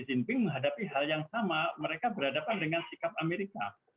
jinping menghadapi hal yang sama mereka berhadapan dengan sikap amerika